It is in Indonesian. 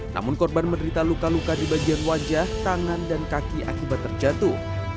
namun korban menderita luka luka di bagian wajah tangan dan kaki akibat terjatuh